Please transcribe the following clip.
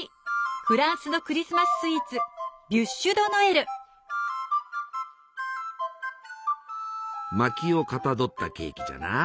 フランスのクリスマススイーツまきをかたどったケーキじゃな。